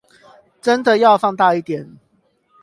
真的要放大一點